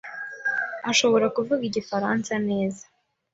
ashobora kuvuga igifaransa neza.